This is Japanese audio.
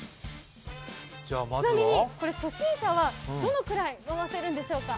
ちなみにこれ、初心者はどのくらい回せるんでしょうか？